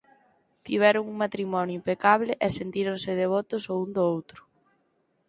Tiveron un matrimonio impecable e sentíronse devotos o un do outro.